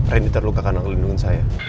renny terluka karena ngelindungin saya